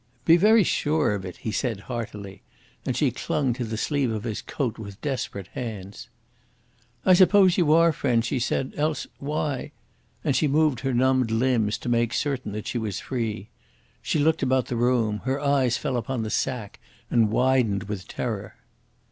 "Be very sure of it," he said heartily, and she clung to the sleeve of his coat with desperate hands. "I suppose you ARE friends," she said; "else why ?" and she moved her numbed limbs to make certain that she was free. She looked about the room. Her eyes fell upon the sack and widened with terror.